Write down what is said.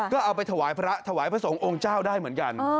ก็เอาไปถวายพระถวายพระสงฆ์องค์เจ้าได้เหมือนกัน